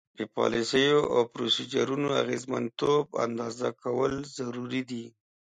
د پالیسیو او پروسیجرونو اغیزمنتوب اندازه کول ضروري دي.